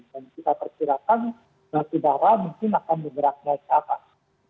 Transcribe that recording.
dan kita persirakan baki darah mungkin akan bergerak naik ke atas